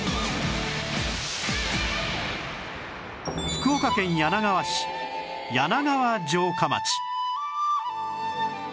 福岡県柳川市柳川城下町